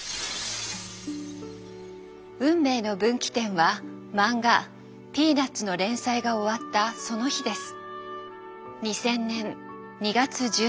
運命の分岐点はマンガ「ピーナッツ」の連載が終わったその日です。